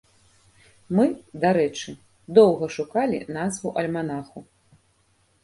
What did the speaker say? Мы, дарэчы, доўга шукалі назву альманаху.